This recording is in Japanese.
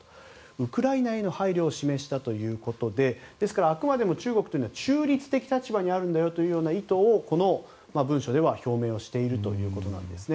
ウクライナへの配慮を示したということでですから、あくまでも中国は中立的立場にあるとそういう意図をこの文書では表明しているということです。